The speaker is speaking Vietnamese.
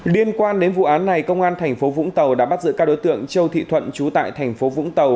liên quan đến vụ án này công an thành phố vũng tàu đã bắt giữ các đối tượng châu thị thuận trú tại thành phố vũng tàu